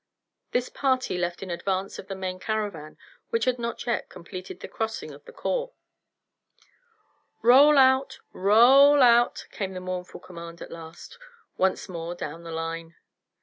This party left in advance of the main caravan, which had not yet completed the crossing of the Kaw. "Roll out! Ro o o ll out!" came the mournful command at last, once more down the line.